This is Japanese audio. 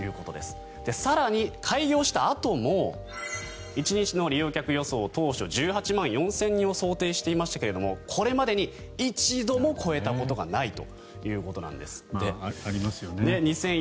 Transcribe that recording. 更に開業したあとも１日の利用客予想当初、１８万４０００人を想定していましたがこれまでに一度も超えたことがないと。